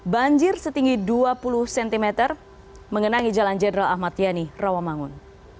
banjir setinggi dua puluh cm mengenangi jalan jenderal ahmad yani rawamangun